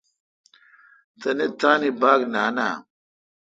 تنی تانی باگ نان اؘ۔